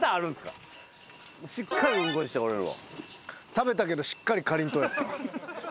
食べたけどしっかりかりんとうやった。